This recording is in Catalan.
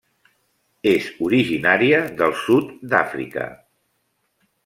És originària del sud d'Àfrica.